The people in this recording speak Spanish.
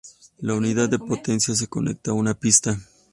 La unidad de potencia se conecta a una pista.